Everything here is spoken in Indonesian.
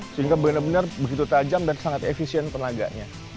sehingga benar benar begitu tajam dan sangat efisien tenaganya